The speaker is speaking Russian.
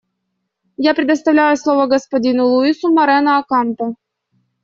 Я предоставляю слово господину Луису Морено-Окампо.